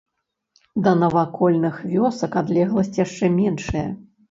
Да навакольных вёсак адлегласць яшчэ меншая.